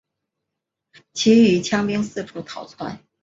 其余羌兵四处逃窜。